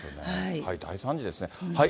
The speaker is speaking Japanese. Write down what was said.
大惨事ですね。